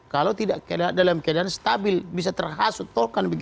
kalau tidak dalam keadaan stabil bisa terhasut